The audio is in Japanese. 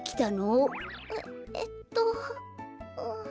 ええっとうう。